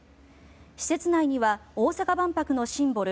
施設内には大阪万博のシンボル